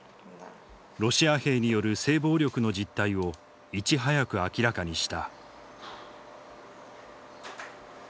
ロシア兵による性暴力の実態をいち早く明らかにした。